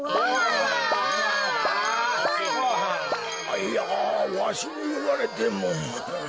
いやわしにいわれても。